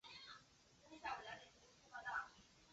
温宪公主在宫廷中的待遇亦高于惯常公主。